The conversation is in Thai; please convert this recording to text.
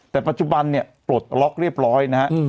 แต่ปัจจุบันปลดล็อกเรียบร้อยนะครับ